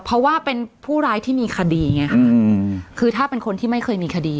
เพราะว่าเป็นผู้ร้ายที่มีคดีไงค่ะคือถ้าเป็นคนที่ไม่เคยมีคดี